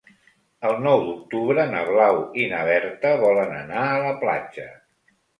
El nou d'octubre na Blau i na Berta volen anar a la platja.